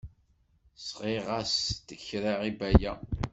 Sɣiɣ-as-d kra i Baya.